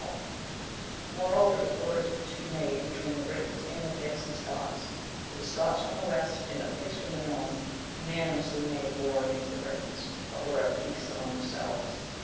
* Moreover, he ordered it to be made between the Britons, and the Picts and Scots; for the Scots from the west, and the Picts from the north, unanimously made war against the Britons; but were at peace among themselves.